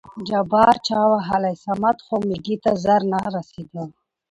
جبار: چا وهلى؟ صمد خو مېږي ته زر نه رسېده.